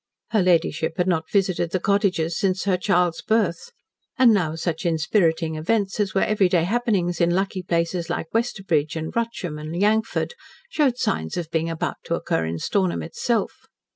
Her ladyship had not visited the cottages since her child's birth. And now such inspiriting events as were everyday happenings in lucky places like Westerbridge and Wratcham and Yangford, showed signs of being about to occur in Stornham itself.